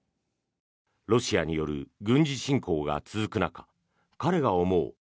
ロシアによる軍事侵攻が続く中彼が思う